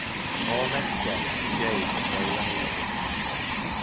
All next day Jabe was very uneasy.